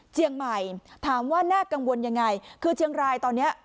ใหม่ถามว่าน่ากังวลยังไงคือเชียงรายตอนนี้